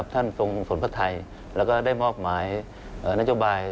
ท่านทรงสนภัฐัยแล้วก็ได้มอบหมายนโยบาย